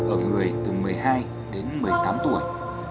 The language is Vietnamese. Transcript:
ở người từ một mươi hai đến một mươi tám tuổi